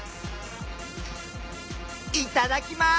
いただきます！